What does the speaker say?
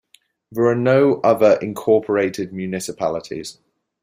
There are no other incorporated municipalities.